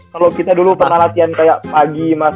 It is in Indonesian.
kalau kita dulu pernah latihan kayak pagi mas